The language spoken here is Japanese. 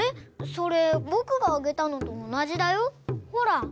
それぼくがあげたのとおなじだよ。ほら。